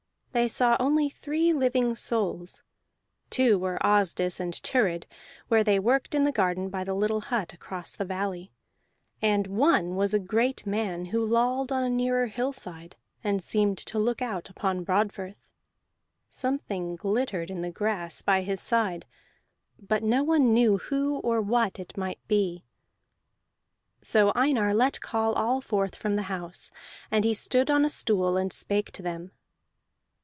They saw only three living souls: two were Asdis and Thurid where they worked in the garden by the little hut across the valley, and one was a great man who lolled on a nearer hillside and seemed to look out upon Broadfirth. Something glittered in the grass by his side, but no one knew who or what it might be. So Einar let call all forth from the house, and he stood on a stool, and spake to them.